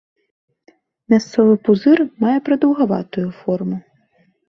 Мясцовы пузыр мае прадаўгаватую форму.